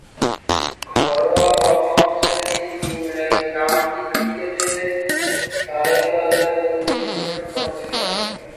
ঘরোয়া প্রথম-শ্রেণীর ইংরেজ কাউন্টি ক্রিকেটে সারে দলের প্রতিনিধিত্ব করছেন।